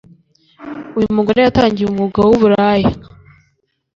uyumugore yatangiye umwuga wuburaya